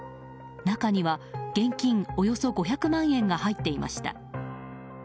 中には、現金およそ５００万円が入っていました。